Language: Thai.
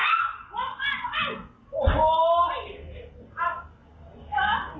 ลำเงียด